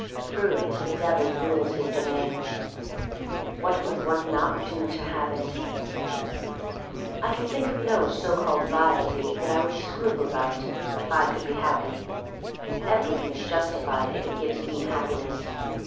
Through it the Devil rules his domains. What would one not do to have it! I can think of no so called vile deed 54 THE STORY OF MARY MAC LANE that I would scruple about if I could be happy. Everything is justified if it gives me Happiness.